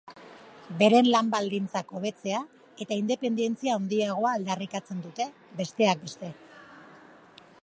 Beren lan baldintzak hobetzea eta independentzia handiagoa aldarrikatzen dute, besteak beste.